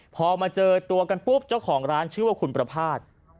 พอมาเจอตัวกันปุ๊บเจ้าของร้านชื่อว่าคุณประพาท